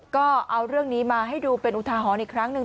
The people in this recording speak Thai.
ก็เอาเรื่องนี้มาให้ดูเป็นอุทาหรณ์อีกครั้งหนึ่ง